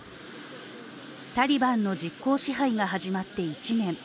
タリバンの実効支配が始まって１年。